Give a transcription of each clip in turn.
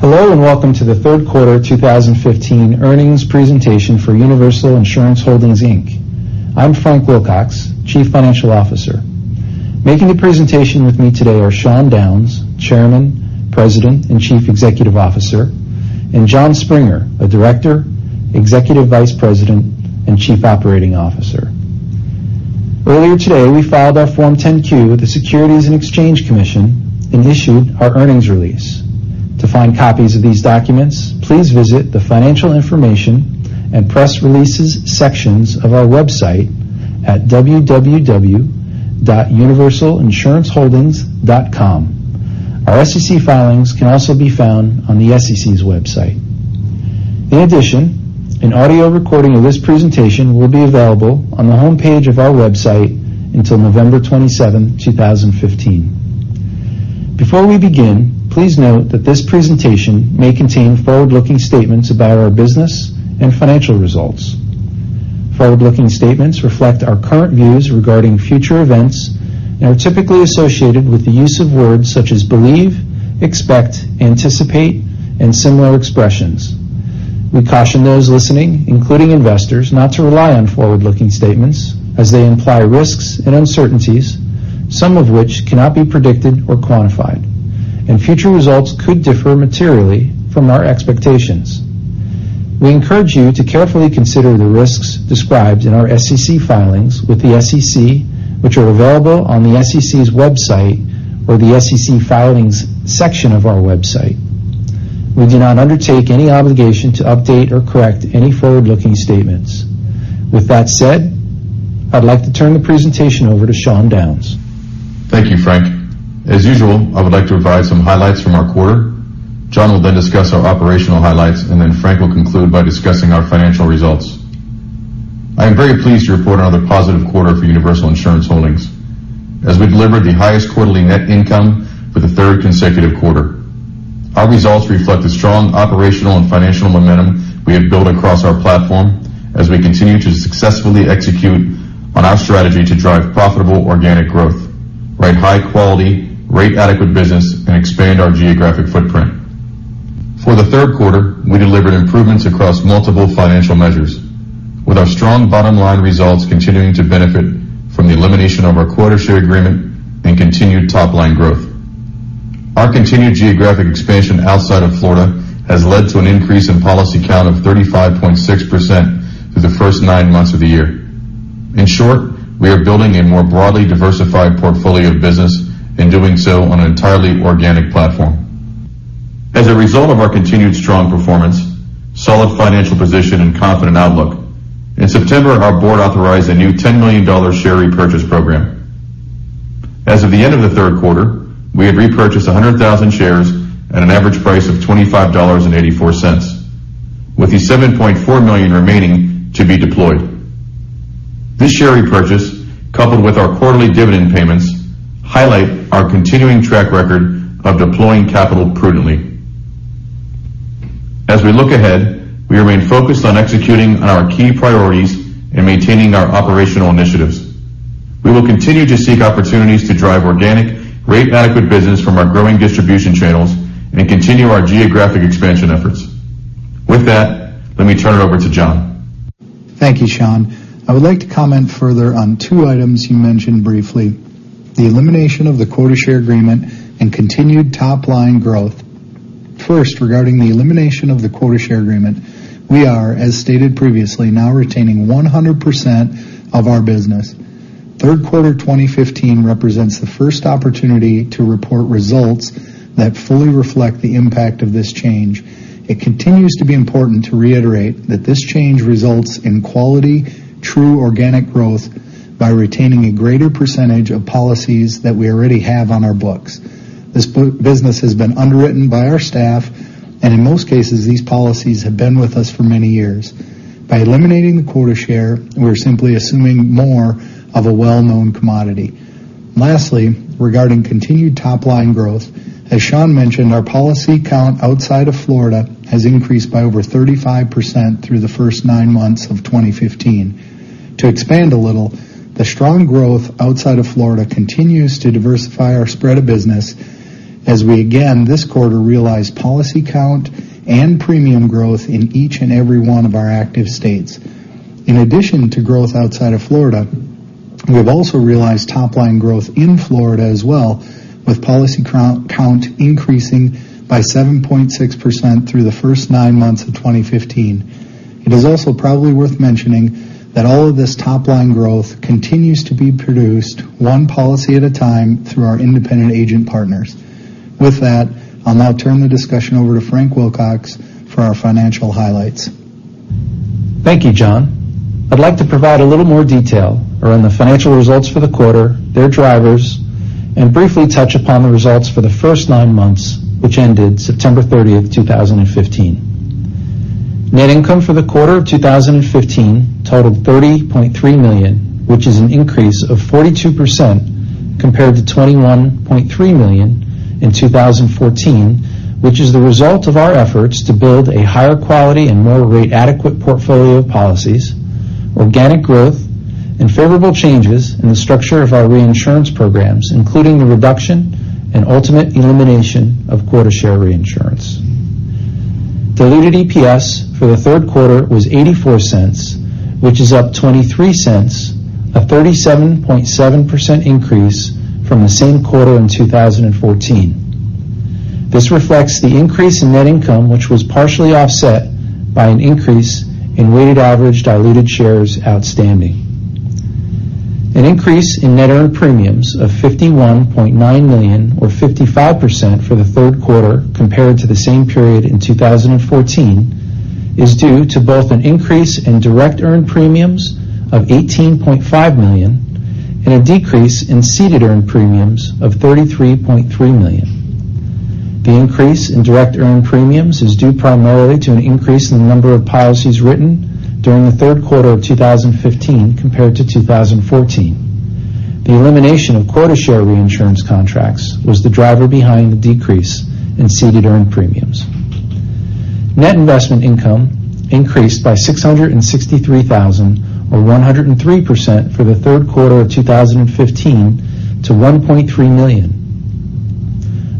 Hello, welcome to the third quarter 2015 earnings presentation for Universal Insurance Holdings, Inc. I'm Frank Wilcox, Chief Financial Officer. Making the presentation with me today are Sean Downes, Chairman, President, and Chief Executive Officer, and Jon Springer, a Director, Executive Vice President, and Chief Operating Officer. Earlier today, we filed our Form 10-Q with the Securities and Exchange Commission and issued our earnings release. To find copies of these documents, please visit the Financial Information and Press Releases sections of our website at www.universalinsuranceholdings.com. Our SEC filings can also be found on the SEC's website. In addition, an audio recording of this presentation will be available on the homepage of our website until November 27, 2015. Before we begin, please note that this presentation may contain forward-looking statements about our business and financial results. Forward-looking statements reflect our current views regarding future events and are typically associated with the use of words such as believe, expect, anticipate, and similar expressions. We caution those listening, including investors, not to rely on forward-looking statements as they imply risks and uncertainties, some of which cannot be predicted or quantified, and future results could differ materially from our expectations. We encourage you to carefully consider the risks described in our SEC filings with the SEC, which are available on the SEC's website or the SEC Filings section of our website. We do not undertake any obligation to update or correct any forward-looking statements. With that said, I'd like to turn the presentation over to Sean Downes. Thank you, Frank. As usual, I would like to provide some highlights from our quarter. Jon will discuss our operational highlights, Frank will conclude by discussing our financial results. I am very pleased to report another positive quarter for Universal Insurance Holdings as we delivered the highest quarterly net income for the third consecutive quarter. Our results reflect the strong operational and financial momentum we have built across our platform as we continue to successfully execute on our strategy to drive profitable organic growth, write high quality, rate adequate business, and expand our geographic footprint. For the third quarter, we delivered improvements across multiple financial measures with our strong bottom-line results continuing to benefit from the elimination of our quota share agreement and continued top-line growth. Our continued geographic expansion outside of Florida has led to an increase in policy count of 35.6% through the first nine months of the year. In short, we are building a more broadly diversified portfolio of business and doing so on an entirely organic platform. As a result of our continued strong performance, solid financial position, and confident outlook, in September, our board authorized a new $10 million share repurchase program. As of the end of the third quarter, we had repurchased 100,000 shares at an average price of $25.84, with the $7.4 million remaining to be deployed. This share repurchase, coupled with our quarterly dividend payments, highlight our continuing track record of deploying capital prudently. As we look ahead, we remain focused on executing on our key priorities and maintaining our operational initiatives. We will continue to seek opportunities to drive organic rate-adequate business from our growing distribution channels and continue our geographic expansion efforts. With that, let me turn it over to Jon. Thank you, Sean. I would like to comment further on two items you mentioned briefly, the elimination of the quota share agreement and continued top-line growth. First, regarding the elimination of the quota share agreement, we are, as stated previously, now retaining 100% of our business. Third quarter 2015 represents the first opportunity to report results that fully reflect the impact of this change. It continues to be important to reiterate that this change results in quality, true organic growth by retaining a greater percentage of policies that we already have on our books. This business has been underwritten by our staff, and in most cases, these policies have been with us for many years. By eliminating the quota share, we're simply assuming more of a well-known commodity. Lastly, regarding continued top-line growth, as Sean mentioned, our policy count outside of Florida has increased by over 35% through the first nine months of 2015. To expand a little, the strong growth outside of Florida continues to diversify our spread of business as we again this quarter realized policy count and premium growth in each and every one of our active states. In addition to growth outside of Florida, we have also realized top-line growth in Florida as well, with policy count increasing by 7.6% through the first nine months of 2015. It is also probably worth mentioning that all of this top-line growth continues to be produced one policy at a time through our independent agent partners. With that, I'll now turn the discussion over to Frank Wilcox for our financial highlights. Thank you, Jon. I'd like to provide a little more detail around the financial results for the quarter, their drivers, and briefly touch upon the results for the first nine months, which ended September 30th, 2015. Net income for the quarter of 2015 totaled $30.3 million, which is an increase of 42% compared to $21.3 million in 2014, which is the result of our efforts to build a higher quality and more rate-adequate portfolio of policies Organic growth and favorable changes in the structure of our reinsurance programs, including the reduction and ultimate elimination of quota share reinsurance. Diluted EPS for the third quarter was $0.84, which is up $0.23, a 37.7% increase from the same quarter in 2014. This reflects the increase in net income, which was partially offset by an increase in weighted average diluted shares outstanding. An increase in net earned premiums of $51.9 million or 55% for the third quarter compared to the same period in 2014 is due to both an increase in direct earned premiums of $18.5 million and a decrease in ceded earned premiums of $33.3 million. The increase in direct earned premiums is due primarily to an increase in the number of policies written during the third quarter of 2015 compared to 2014. The elimination of quota share reinsurance contracts was the driver behind the decrease in ceded earned premiums. Net investment income increased by $663,000 or 103% for the third quarter of 2015 to $1.3 million.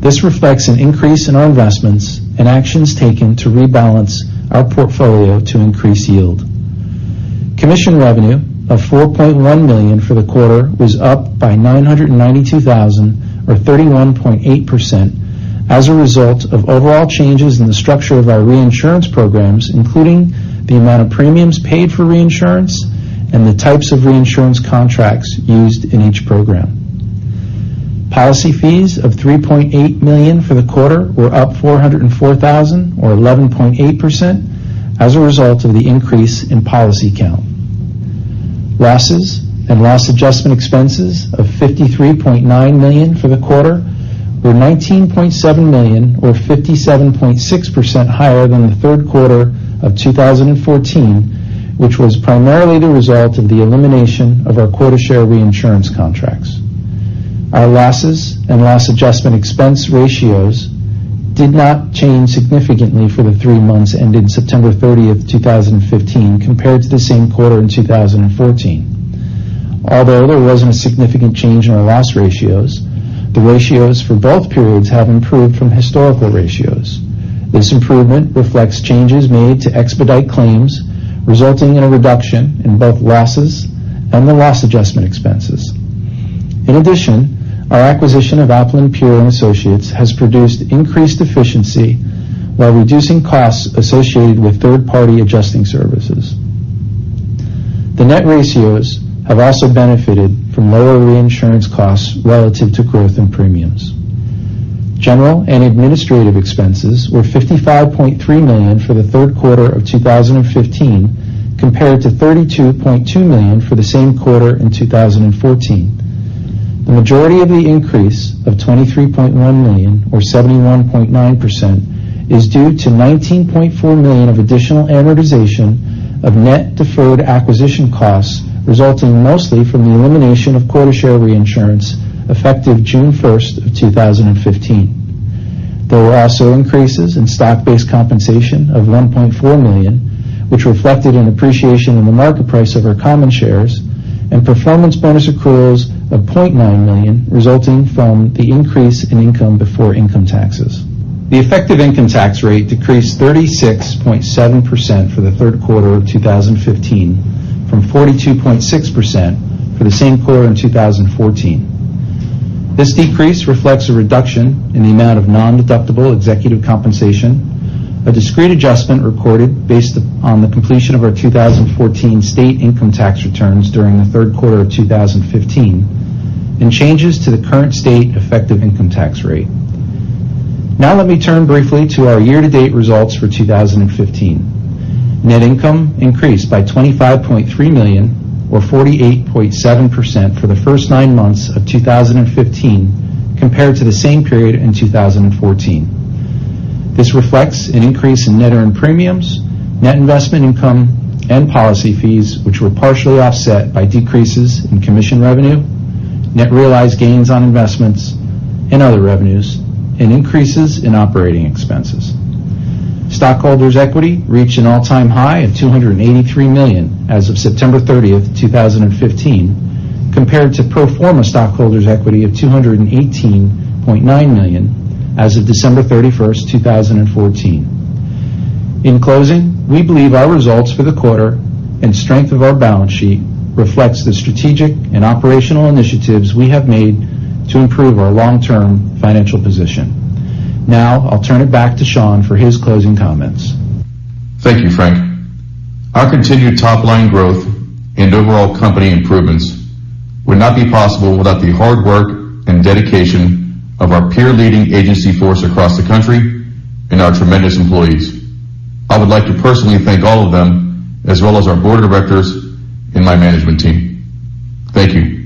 This reflects an increase in our investments and actions taken to rebalance our portfolio to increase yield. Commission revenue of $4.1 million for the quarter was up by $992,000 or 31.8% as a result of overall changes in the structure of our reinsurance programs, including the amount of premiums paid for reinsurance and the types of reinsurance contracts used in each program. Policy fees of $3.8 million for the quarter were up $404,000 or 11.8% as a result of the increase in policy count. Losses and loss adjustment expenses of $53.9 million for the quarter were $19.7 million or 57.6% higher than the third quarter of 2014, which was primarily the result of the elimination of our quota share reinsurance contracts. Our losses and loss adjustment expense ratios did not change significantly for the three months ended September 30th, 2015, compared to the same quarter in 2014. Although there wasn't a significant change in our loss ratios, the ratios for both periods have improved from historical ratios. This improvement reflects changes made to expedite claims, resulting in a reduction in both losses and the loss adjustment expenses. In addition, our acquisition of Aplin Peer & Associates has produced increased efficiency while reducing costs associated with third-party adjusting services. The net ratios have also benefited from lower reinsurance costs relative to growth in premiums. General and administrative expenses were $55.3 million for the third quarter of 2015, compared to $32.2 million for the same quarter in 2014. The majority of the increase of $23.1 million or 71.9% is due to $19.4 million of additional amortization of net deferred acquisition costs, resulting mostly from the elimination of quota share reinsurance effective June 1st, 2015. There were also increases in stock-based compensation of $1.4 million, which reflected an appreciation in the market price of our common shares and performance bonus accruals of $0.9 million resulting from the increase in income before income taxes. The effective income tax rate decreased 36.7% for the third quarter of 2015 from 42.6% for the same quarter in 2014. This decrease reflects a reduction in the amount of nondeductible executive compensation, a discrete adjustment recorded based upon the completion of our 2014 state income tax returns during the third quarter of 2015, and changes to the current state effective income tax rate. Now let me turn briefly to our year-to-date results for 2015. Net income increased by $25.3 million or 48.7% for the first nine months of 2015 compared to the same period in 2014. This reflects an increase in net earned premiums, net investment income, and policy fees, which were partially offset by decreases in commission revenue, net realized gains on investments and other revenues, and increases in operating expenses. Stockholders' equity reached an all-time high of $283 million as of September 30th, 2015, compared to pro forma stockholders' equity of $218.9 million as of December 31st, 2014. In closing, we believe our results for the quarter and strength of our balance sheet reflects the strategic and operational initiatives we have made to improve our long-term financial position. Now I'll turn it back to Sean for his closing comments. Thank you, Frank. Our continued top-line growth and overall company improvements would not be possible without the hard work and dedication of our peer-leading agency force across the country and our tremendous employees. I would like to personally thank all of them as well as our board of directors and my management team. Thank you.